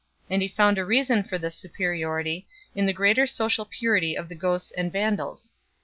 And he found a reason for this superiority in the greater social purity of the Goths and Vandals.